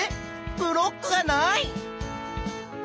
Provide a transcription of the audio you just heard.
ブロックがない！